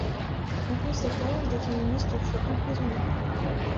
En conséquence, des féministes furent emprisonnées.